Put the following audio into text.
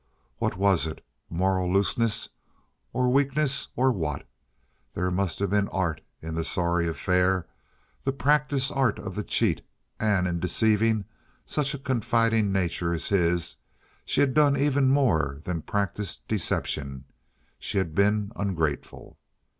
What was it—moral looseness, or weakness, or what? There must have been art in the sorry affair, the practised art of the cheat, and, in deceiving such a confiding nature as his, she had done even more than practise deception—she had been ungrateful.